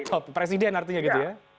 top ya presiden artinya gitu ya